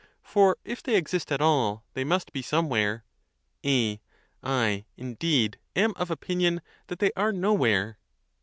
For, if they exist at all, they must be somewhere. A. I, indeed, am of opinion that they are nowhere.